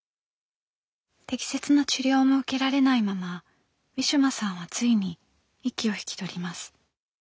適切な治療も受けられないままウィシュマさんはついに息を引き取ります。